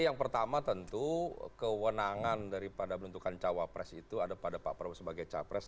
yang pertama tentu kewenangan daripada menentukan cawapres itu ada pada pak prabowo sebagai capres